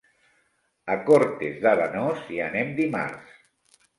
A Cortes d'Arenós hi anem dimarts.